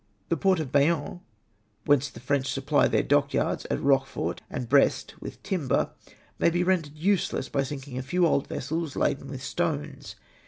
" The port of Bayonne, whence the French supply their dockyards at Eochefort and Brest with timber, may be rendered useless by sinking a few old vessels laden with stones.